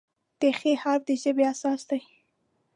د "خ" حرف د ژبې اساس دی.